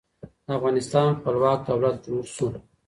د افغانستان خپلواک دولت جوړ شو.